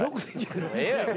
ええやろ。